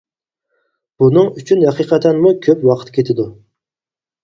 بۇنىڭ ئۈچۈن ھەقىقەتەنمۇ كۆپ ۋاقىت كېتىدۇ.